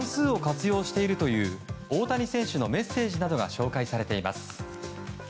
野球に算数を活用しているという大谷選手のメッセージなどが紹介されています。